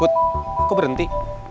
kut kok berhenti